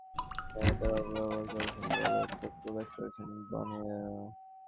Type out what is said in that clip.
President Obama তাঁর নির্বাহী ক্ষমতার অপব্যবহার করছেন বলেও ক্ষোভ প্রকাশ করেছেন বয়েনার।